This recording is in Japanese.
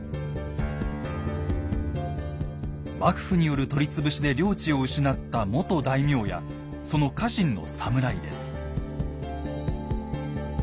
幕府による取り潰しで領地を失った元大名やその家臣の侍です。